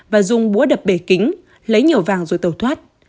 và dùng búa đập bề kính lấy nhiều vàng rồi tàu thoát